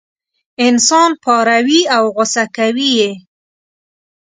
انسان پاروي او غوسه کوي یې.